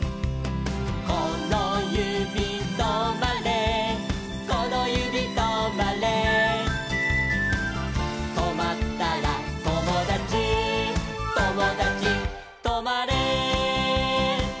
「このゆびとまれこのゆびとまれ」「とまったらともだちともだちとまれ」